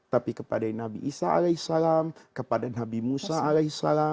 tapi kepada nabi isa as kepada nabi musa as